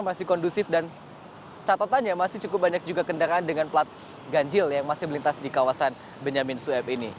masih kondusif dan catatannya masih cukup banyak juga kendaraan dengan plat ganjil yang masih melintas di kawasan benyamin sueb ini